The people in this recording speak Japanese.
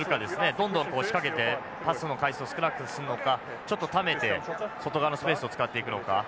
どんどん仕掛けてパスの回数を少なくするのかちょっとためて外側のスペースを使っていくのか。